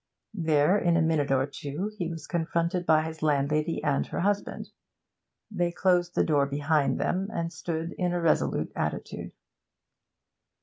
There in a minute or two he was confronted by his landlady and her husband: they closed the door behind them, and stood in a resolute attitude.